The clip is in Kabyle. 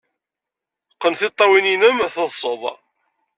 Qqen tiṭṭawin-nnem, teḍḍsed!